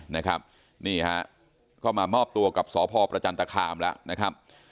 นะครับนี่ฮะก็มามอบตัวกับสพประจันตคามแล้วนะครับ